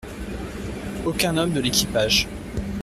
Aucun homme de l'équipage.